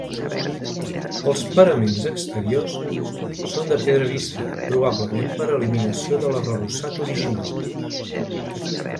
Els paraments exteriors són de pedra vista, probablement per eliminació de l'arrebossat original.